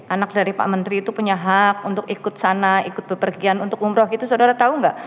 anak dari pak menteri itu punya hak untuk ikut sana ikut pepergian untuk umroh gitu saudara tahu nggak